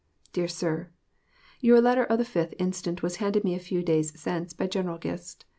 DEAR SIR: Your letter of the 5th inst. was handed me a few days since by General Gist.